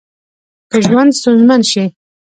که ژوند ستونزمن شي